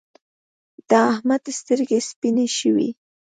د احمد سترګې سپينې شوې.